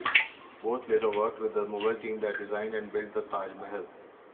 Both later worked with the Mughal team that designed and built the Taj Mahal.